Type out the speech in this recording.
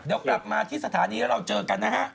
เดี๋ยวกลับมาที่สถานีแล้วเราเจอกันนะฮะ